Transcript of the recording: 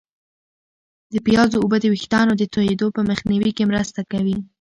د پیازو اوبه د ویښتانو د توییدو په مخنیوي کې مرسته کوي.